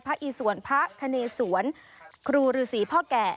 พระอิสวรรค์พระโคเนสวรรค์ครูหรือศรีพ่อแก่